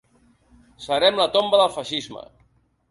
Serem la tomba del feixisme.